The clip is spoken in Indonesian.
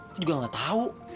aku juga nggak tahu